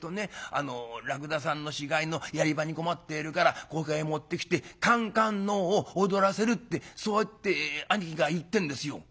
あの『らくださんの死骸のやり場に困っているからここへ持ってきてかんかんのうを踊らせる』ってそうやって兄貴が言ってんですよ」。